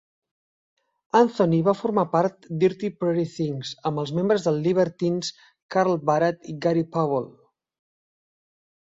Anthony va formar Dirty Pretty Things amb els membres de Libertines, Carl Barat i Gary Powell.